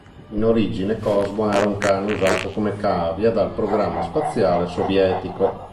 In origine Cosmo era un cane usato come cavia dal programma spaziale sovietico.